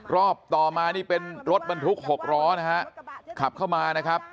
ต่อมานี่เป็นรถบรรทุก๖ล้อนะฮะขับเข้ามานะครับ